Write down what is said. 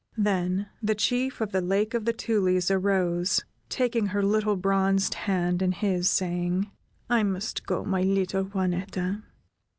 Then the Chief of the Lake of the Tulies arose, taking her little bronzed hand in his, saying: "I must go, my little Juanetta.